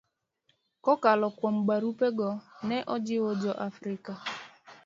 Kokalo kuom barupego, ne ojiwo Jo-Afrika